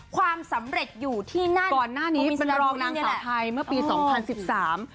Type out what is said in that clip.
ความสำเร็จอยู่ที่นั่นก่อนหน้านี้เป็นรองนางสาวไทยเมื่อปีสองพันสิบสาม